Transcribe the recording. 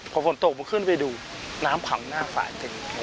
พอฝนตกมันขึ้นไปดูน้ำขังหน้าฝ่ายเต็ม